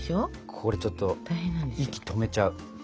これちょっと息止めちゃう。